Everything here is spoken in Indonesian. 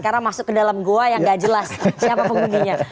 karena masuk ke dalam goa yang tidak jelas siapa pemimpinnya